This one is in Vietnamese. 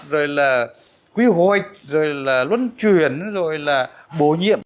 rồi là quy hội rồi là luân chuyển rồi là bổ nhiệm